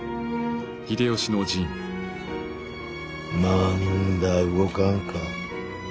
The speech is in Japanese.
まんだ動かんか？